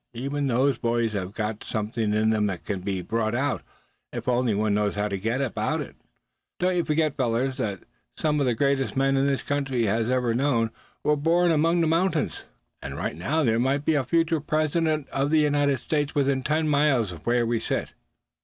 Even those boys have got something in them that can be brought out, if only one knows how to go about it. Don't you forget, fellows, that some of the greatest men this country has ever known, were born among the mountains. And right now there may be a future president of the United States within ten miles of where we sit."